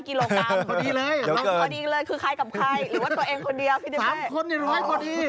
พอดีเลยพอดีเลยคือคล้ายกับคล้ายหรือว่าตัวเองคนเดียวพี่นิเป้